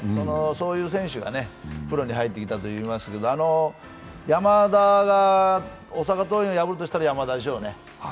そういう選手がプロに入ってきたといいますけど大阪桐蔭を破るとしたら山田でしょうね。